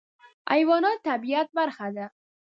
حیوانات د طبیعت برخه ده.